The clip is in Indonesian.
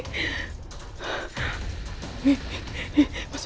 nih nih masuk